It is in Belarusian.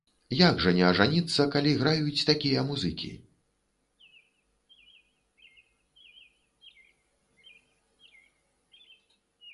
Як жа не ажаніцца, калі граюць такія музыкі!